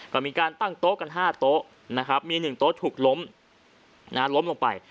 ก็มีการตั้งโต๊ะกัน๕โต๊ะมี๑โต๊ะถูกล้มลงไป